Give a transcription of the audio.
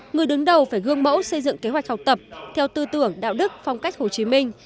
người đứng đầu phải gương mẫu xây dựng kế hoạch học tập theo tư tưởng đạo đức phong cách hồ chí minh